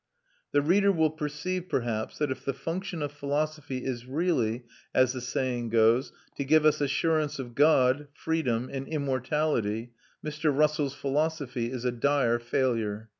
The reader will perceive, perhaps, that if the function of philosophy is really, as the saying goes, to give us assurance of God, freedom, and immortality, Mr. Russell's philosophy is a dire failure.